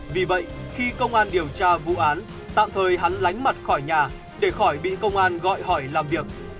vì vậy khi công an điều tra vụ án tạm thời hắn lánh mặt khỏi nhà để khỏi bị công an gọi hỏi làm việc